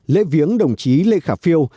lễ viếng đồng chí lê khả phiêu